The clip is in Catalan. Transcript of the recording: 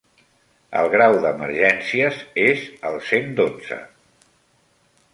El grau d'emergències és el cent dotze.